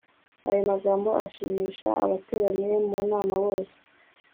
ayo magambo ashimisha abateraniye mu nama bose